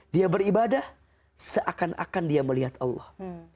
dia beribadah seakan akan dia melihat allah